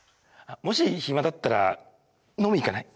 もし暇だったら飲みに行かない？